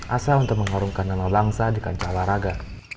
asal untuk mengorungkan nanolangsa di kanca olahraga